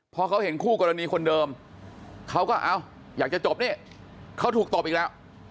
พอเขาเห็นคู่กรณีคนเดิมเขาก็เอ้าอยากจะจบนี่เขาถูกตบอีกแล้ว